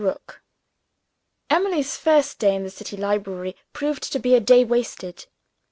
ROOK. Emily's first day in the City library proved to be a day wasted.